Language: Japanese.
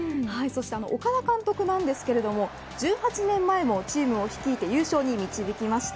岡田監督なんですけれど１８年前もチームを率いて優勝に導きました。